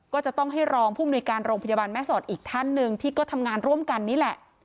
ก็จะต้องให้รองผู้มนุยการโรงพยาบาลแม่สอดอีกท่านหนึ่งที่ก็ทำงานร่วมกันนี่แหละ